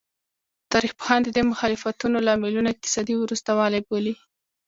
تاریخ پوهان د دې مخالفتونو لاملونه اقتصادي وروسته والی بولي.